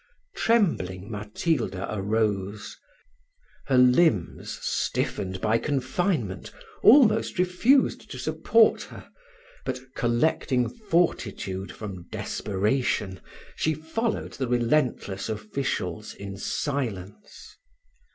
Trembling, Matilda arose: her limbs, stiffened by confinement, almost refused to support her; but collecting fortitude from desperation, she followed the relentless officials in silence.